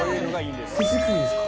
手作りですか？